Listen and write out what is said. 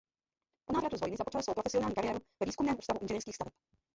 Po návratu z vojny započal svou profesionální kariéru ve Výzkumném ústavu inženýrských staveb.